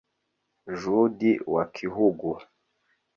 Judi Wakhugu